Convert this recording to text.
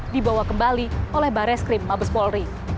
dibawa kembali oleh bareskrim mabes polri